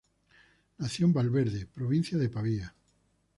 Nació en Valverde, provincia de Pavía.